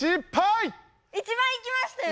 一番いきましたよね？